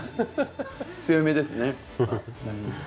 強めですね。